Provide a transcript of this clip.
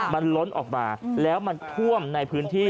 มันล้นออกมาแล้วมันท่วมในพื้นที่